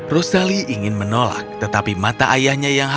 rosali ingin menolak tetapi mata ayahnya menolak